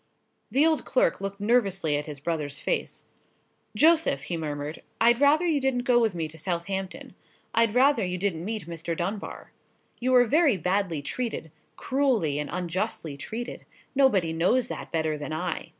The old clerk looked nervously at his brother's face. "Joseph," he murmured, "I'd rather you didn't go with me to Southampton; I'd rather you didn't meet Mr. Dunbar. You were very badly treated—cruelly and unjustly treated—nobody knows that better than I.